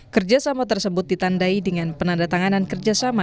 kerjasama tersebut ditandai dengan penandatanganan kerjasama